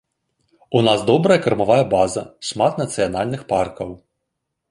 У нас добрая кармавая база, шмат нацыянальных паркаў.